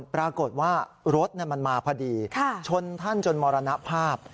ปรากฏว่ารถมันมาพอดีชนท่านจนมรณภาพ